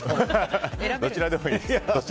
どちらでもいいです。